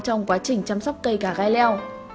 trong quá trình chăm sóc cây cà gai leo